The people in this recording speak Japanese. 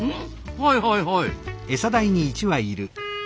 はいはいはい。